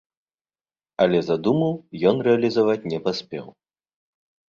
Але задуму ён рэалізаваць не паспеў.